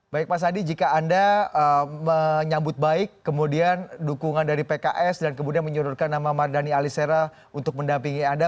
baik pak sandi jika anda menyambut baik kemudian dukungan dari pks dan kemudian menyuruhkan nama mardhani alisera untuk mendampingi anda